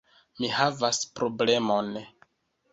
Mi havas problemon.